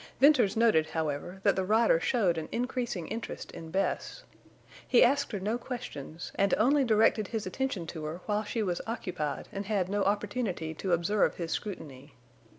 Venters noted, however, that the rider showed an increasing interest in Bess. He asked her no questions, and only directed his attention to her while she was occupied and had no opportunity to observe his scrutiny.